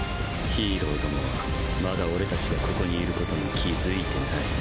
ヒーロー共はまだ俺達がここにいることに気づいてない。